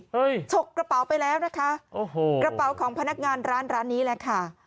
ฉกกระเป๋าไปแล้วนะคะโอ้โหกระเป๋าของพนักงานร้านร้านนี้แหละค่ะ